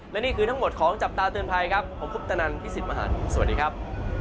และนี่คือทั้งหมดของจับตาเตือนภัยครับผมคุปตนันพี่สิทธิ์มหันฯสวัสดีครับ